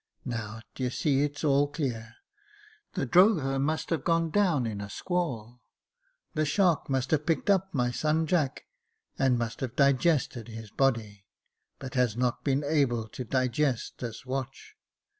Now, d'ye see, it's all clear — the drogher must have gone down in a squall — the shark must have picked up my son Jack, and must have disgested his body, but has not been able to disgest his watch.